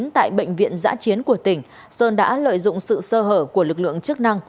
tại bệnh viện giã chiến của tỉnh sơn đã lợi dụng sự sơ hở của lực lượng chức năng